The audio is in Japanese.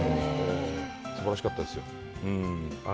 すばらしかったですよ。